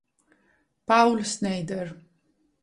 Paul Schneider